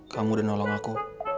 kamu udah nolong aku